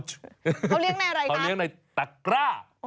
เขาเลี้ยงในอะไรคะเขาเลี้ยงในตะกร้า